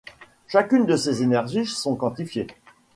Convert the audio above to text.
Chacune de ces énergies sont quantifiées.